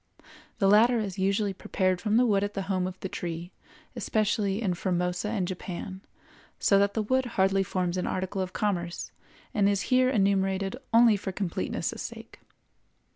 The latter is usually prepared from the wood at the home of the tree, especially in Formosa and Japan, so that the wood hardly forms an article of commerce and is here enumerated only for completeness' sake.